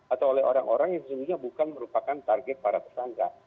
atau oleh orang orang yang sesungguhnya bukan merupakan target para tersangka